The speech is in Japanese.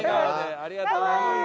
ありがとう！